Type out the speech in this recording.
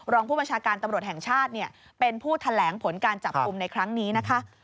รองผู้บัญชาการตำรวจแห่งชาติเป็นผู้แถลงผลการจับกลุ่มในครั้งนี้นะคะ